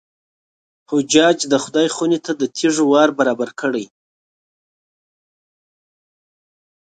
حجاج د خدای خونې ته د تېږو وار برابر کړی.